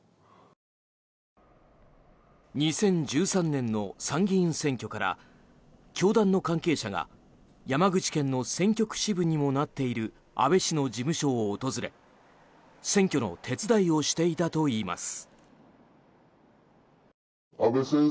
２０１３年の参議院選挙から教団の関係者が山口県の選挙区支部にもなっている安倍氏の事務所を訪れ選挙の手伝いをしていたといいます。